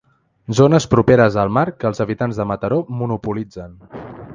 Zones properes al mar que els habitants de Mataró monopolitzen.